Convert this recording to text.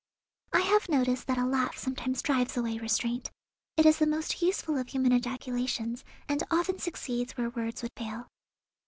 I have noticed that a laugh sometimes drives away restraint. It is the most useful of human ejaculations, and often succeeds where words would fail.